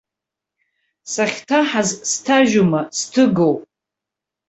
Сахьҭаҳаз сҭажьума, сҭыгоу?